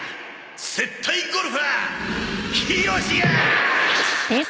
接待ゴルファーひろしや！